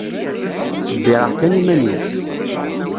Ttsebbireɣ kan iman-iw.